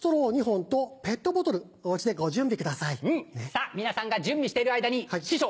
さぁ皆さんが準備している間に師匠！